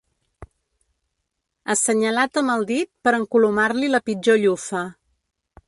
Assenyalat amb el dit per encolomar-li la pitjor llufa.